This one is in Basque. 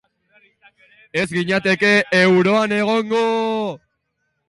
Ez ginateke euroan egongo.